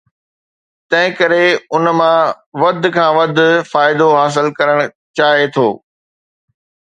تنهنڪري ان مان وڌ کان وڌ فائدو حاصل ڪرڻ چاهي ٿو.